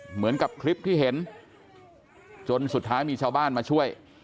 เหมือนกับคลิปที่เห็นจนสุดท้ายมีชาวบ้านมาช่วย